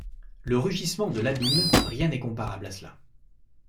Le rugissement de l’abîme, rien n’est comparable à cela.